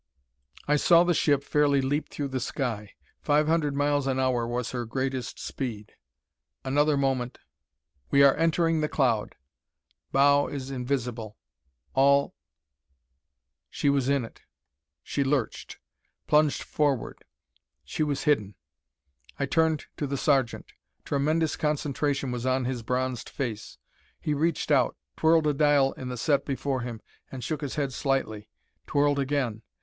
I saw the ship fairly leap through the sky. Five hundred miles an hour was her greatest speed. Another moment "We are entering the cloud. Bow is invisible. All " She was in it. She lurched. Plunged forward. She was hidden. I turned to the sergeant. Tremendous concentration was on his bronzed face. He reached out, twirled a dial in the set before him, and shook his head slightly. Twirled again.